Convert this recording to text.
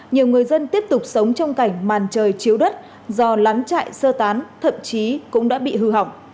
nhiều người dân tiếp tục sống trong cảnh màn trời chiếu đất do lán trại sơ tán thậm chí cũng đã bị hư hỏng